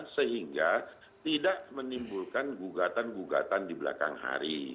sehingga tidak menimbulkan gugatan gugatan di belakang hari